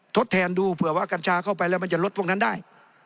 ทดแทนดูเผื่อว่ากัญชาเข้าไปแล้วมันจะลดพวกนั้นได้